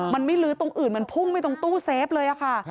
มันไม่ลื้อตรงอื่นมันพุ่งไปตรงตู้เซฟเลยค่ะ